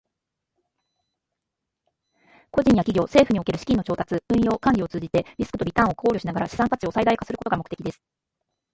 個人や企業、政府における資金の調達、運用、管理を通じて、リスクとリターンを考慮しながら資産価値を最大化することが目的です。